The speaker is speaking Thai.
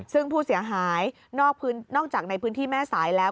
ซึ่งผู้เสียหายนอกจากในพื้นที่แม่สายแล้ว